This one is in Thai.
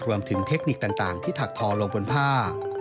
เทคนิคต่างที่ถักทอลงบนผ้า